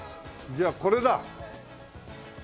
じゃあこれだ！